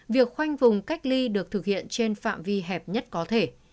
việc khoanh vùng cách ly được thực hiện trên phạm vi hẹp nhất có thể